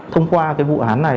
thông qua cái vụ án này